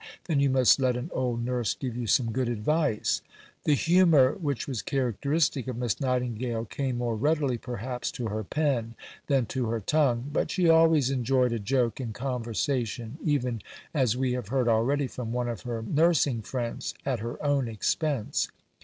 Then you must let an old nurse give you some good advice." The humour which was characteristic of Miss Nightingale came more readily perhaps to her pen than to her tongue; but she always enjoyed a joke in conversation even, as we have heard already from one of her nursing friends, at her own expense.